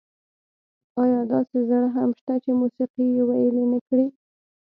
ایا داسې زړه هم شته چې موسيقي یې ویلي نه کړي؟